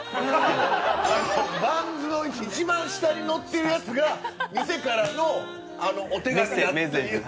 バンズの一番下にのってるやつが店からのお手紙やっていうのを。